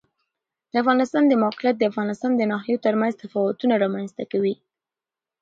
د افغانستان د موقعیت د افغانستان د ناحیو ترمنځ تفاوتونه رامنځ ته کوي.